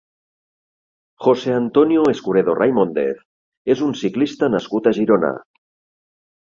José Antonio Escuredo Raimóndez és un ciclista nascut a Girona.